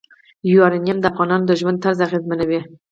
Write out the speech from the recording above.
یورانیم د افغانانو د ژوند طرز اغېزمنوي.